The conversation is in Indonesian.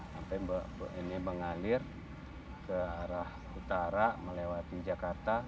sampai ini mengalir ke arah utara melewati jakarta